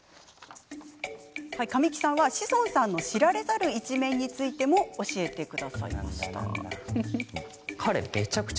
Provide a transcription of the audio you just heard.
神木さんは志尊さんの知られざる一面についても教えてくださいました。